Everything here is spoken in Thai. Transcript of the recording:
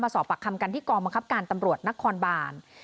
สอบปากคำกันที่กองบังคับการตำรวจนครบาน